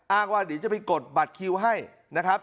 อ้างว่าหรือจะไปกดบัตรคิวให้นะครับ